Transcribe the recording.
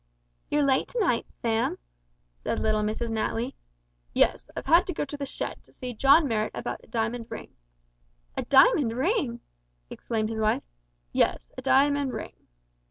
"You're late to night, Sam," said little Mrs Natly. "Yes, I've had to go to the shed to see John Marrot about a diamond ring." "A diamond ring!" exclaimed his wife. "Yes, a diamond ring."